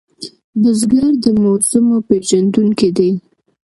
بزګر د موسمو پېژندونکی دی